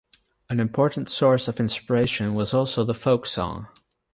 An important source of inspiration was also the folk song.